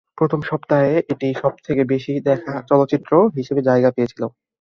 প্রথম সপ্তাহে এটি সবথেকে বেশি দেখা চলচ্চিত্র হিসেবে জায়গা পেয়েছিলো।